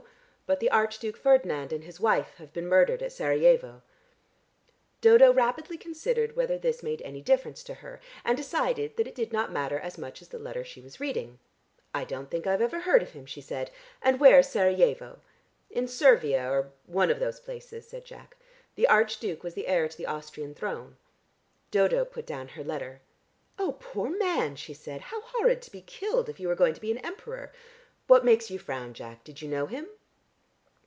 But the Archduke Ferdinand and his wife have been murdered at Serajevo." Dodo rapidly considered whether this made any difference to her, and decided that it did not matter as much as the letter she was reading. "I don't think I ever heard of him," she said. "And where's Serajevo?" "In Servia or one of those places," said Jack. "The Archduke was the heir to the Austrian throne." Dodo put down her letter. "Oh, poor man!" she said. "How horrid to be killed, if you were going to be an Emperor! What makes you frown, Jack? Did you know him?"